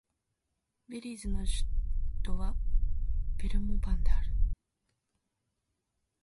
ベリーズの首都はベルモパンである